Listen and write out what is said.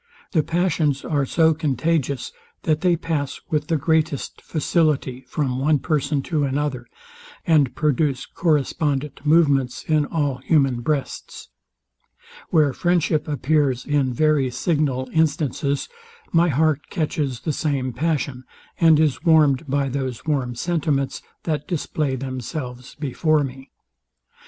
The passions are so contagious, that they pass with the greatest facility from one person to another, and produce correspondent movements in all human breasts. Where friendship appears in very signal instances, my heart catches the same passion, and is warmed by those warm sentiments, that display themselves before me.